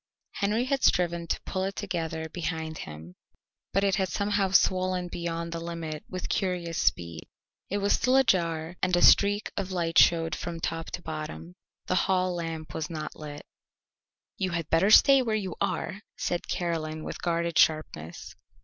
Henry had striven to pull it together behind him, but it had somehow swollen beyond the limit with curious speed. It was still ajar and a streak of light showed from top to bottom. The hall lamp was not lit. "You had better stay where you are," said Caroline with guarded sharpness.